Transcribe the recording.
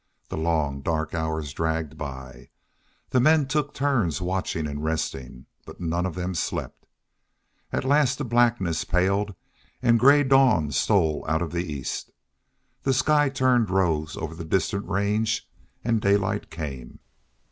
The long, dark hours dragged by. The men took turns watching and resting, but none of them slept. At last the blackness paled and gray dawn stole out of the east. The sky turned rose over the distant range and daylight came.